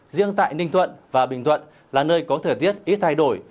riêng tại ninh thuận và bình thuận là nơi có thời tiết ít thay đổi